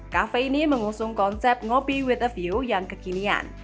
kafe ini mengusung konsep ngopi with of view yang kekinian